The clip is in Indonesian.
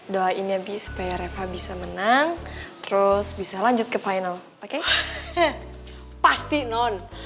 doain ya bi supaya reva bisa menang terus bisa lanjut ke final oke pasti non